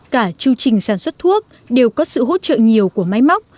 cả chưu trình sản xuất thuốc đều có sự hỗ trợ nhiều của máy móc